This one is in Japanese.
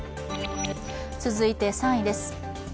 続いて３位です。